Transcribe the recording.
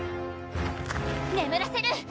眠らせる！